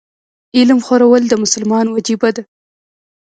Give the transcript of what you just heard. علم خورل د مسلمان وجیبه ده.